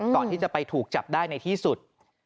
ก่อนที่จะไปถูกจับได้ในที่สุด